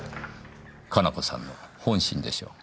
可奈子さんの本心でしょう。